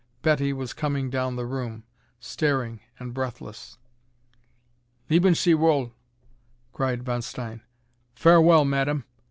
Betty was coming down the room, staring and breathless. "Leben sie wohl!" cried Von Stein. "Farewell, Madame!